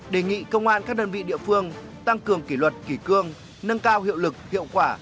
đề nghị công an các đơn vị địa phương tăng cường kỷ luật kỷ cương nâng cao hiệu lực hiệu quả